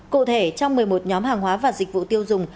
cụ thể trong một mươi một nhóm hàng hóa và dịch vụ tiêu dùng